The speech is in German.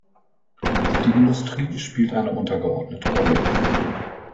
Die Industrie spielt eine untergeordnete Rolle.